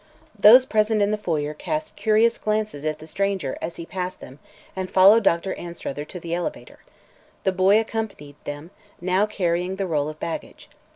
Those present in the foyer cast curious glances at the stranger as he passed them and followed Dr. Anstruther to the elevator. The boy accompanied them, now carrying the roll of baggage.